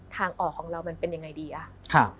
ทางออกของเรามันเป็นยังไงดีอ่ะครับ